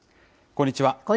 こんにちは。